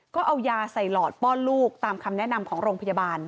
ก็เอายาใส่หลอดป้อนลูกตามคำแนะนำของโรงพยาบาล